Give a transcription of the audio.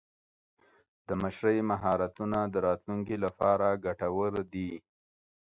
د مشرۍ مهارتونه د راتلونکي لپاره ګټور دي.